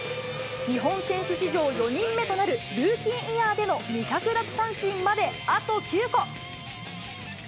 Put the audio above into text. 日本選手史上４人目となるルーキーイヤーでの２００奪三振まであと９個。